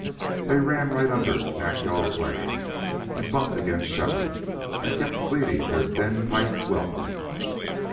They ran right under Nack yal's legs and bumped against Shefford, and kept bleating their thin piped welcome.